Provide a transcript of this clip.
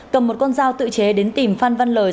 cầm một con dao tự chế đến tìm phan văn lời